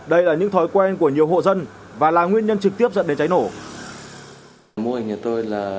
đây là những thói quen của nhiều hộ dân và là nguyên nhân trực tiếp dẫn đến cháy nổ